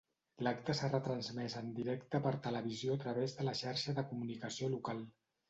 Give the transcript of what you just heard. L’acte s’ha retransmès en directe per televisió a través de la Xarxa de Comunicació Local.